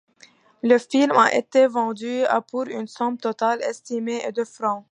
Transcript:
Le film a été vendu à pour une somme totale estimée à de francs.